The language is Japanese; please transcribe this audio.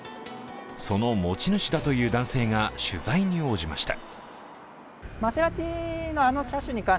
その持ち主だという男性が取材に応じました。